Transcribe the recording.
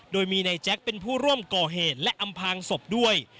โดยมีนายแจ๊คเป็นผู้ร่วมก่อเหตุและอำพางศพด้วย